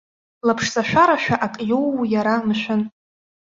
Лаԥшҵашәарашәа ак иоуу иара, мшәан?